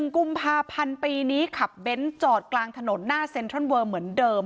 กุมภาพันธ์ปีนี้ขับเบ้นจอดกลางถนนหน้าเซ็นทรัลเวอร์เหมือนเดิม